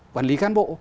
quản lý cán bộ